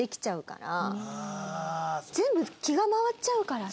全部気が回っちゃうからね。